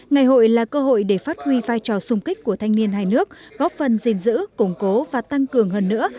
ngày hội là cơ hội để phát huy vai trò xung kích của thanh niên hai nước góp phần gìn giữ củng cố và tăng cường hơn nữa